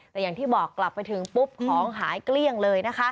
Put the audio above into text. แต่อย่างที่บอกกลับไปถึงปุ๊บของหายเกลี้ยงเลยนะคะ